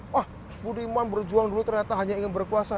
wah budiman berjuang dulu ternyata hanya ingin berkuasa